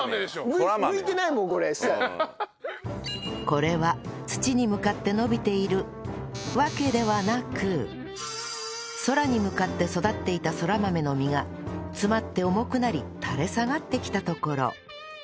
これは土に向かって伸びているわけではなく空に向かって育っていたそら豆の実が詰まって重くなり垂れ下がってきたところ